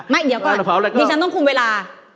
เดี๋ยวก่อนดิฉันต้องคุมเวลา